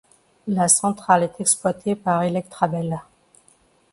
La centrale est exploitée par Electrabel.